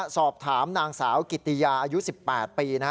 สอบถามนางสาวกิติยาอายุ๑๘ปี